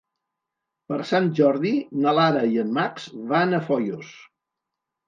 Per Sant Jordi na Lara i en Max van a Foios.